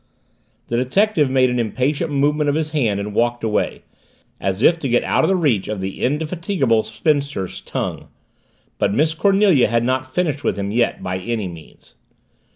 The detective made an impatient movement of his hand and walked away as if to get out of the reach of the indefatigable spinster's tongue. But Miss Cornelia had not finished with him yet, by any means.